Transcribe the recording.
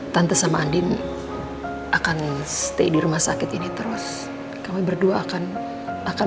tante sama andin akan stay di rumah sakit ini terus kami berdua akan akan